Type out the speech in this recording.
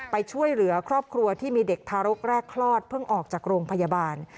ไปช่วยเหลือครอบครัวที่มีเด็กทารกแรกคลอดเพิ่งออกจากโรงพยาบาล